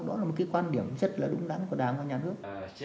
đó là một cái quan điểm rất là đúng đắn của đảng và nhà nước